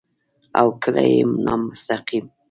او کله يې نامستقيم